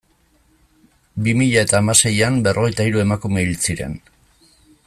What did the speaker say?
Bi mila eta hamaseian berrogeita hiru emakume hil ziren.